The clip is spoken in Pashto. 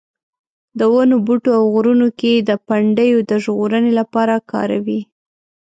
د ونو بوټو او غرونو کې د پنډیو د ژغورنې لپاره کاروي.